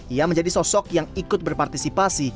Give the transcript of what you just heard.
ia menjadi sosok yang ikut berpartisipasi